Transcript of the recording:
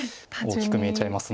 大きく見えちゃいます